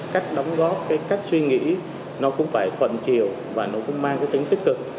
cách đóng góp cách suy nghĩ cũng phải thuận chiều mang tính tích cực